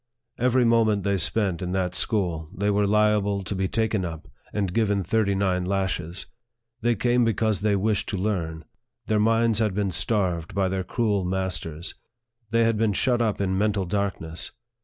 Every moment they spent in that school, they were liable to be taken up, and given thirty nine lashes. They came because they wished to learn. Their minds had been starved by their cruel masters. They had been shut up in mental darkness.